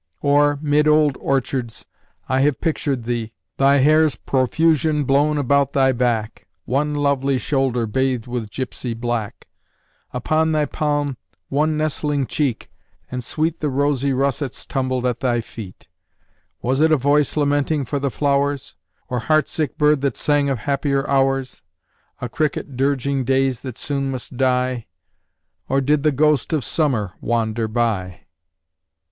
Or, 'mid old orchards, I have pictured thee: Thy hair's profusion blown about thy back; One lovely shoulder bathed with gypsy black; Upon thy palm one nestling cheek, and sweet The rosy russets tumbled at thy feet. Was it a voice lamenting for the flowers? Or heart sick bird that sang of happier hours? A cricket dirging days that soon must die? Or did the ghost of Summer wander by?